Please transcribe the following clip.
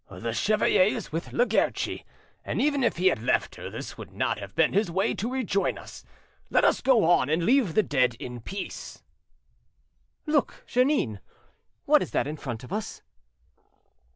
"The chevalier is with La Guerchi, and even if he had left her this would not have been his way to rejoin us. Let us go on and leave the dead in peace." "Look, Jeannin! what is that in front of us?"